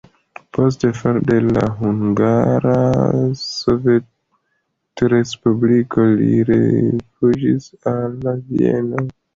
Post falo de la Hungara Sovetrespubliko li rifuĝis al Vieno.